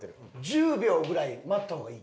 １０秒ぐらい待った方がいいって。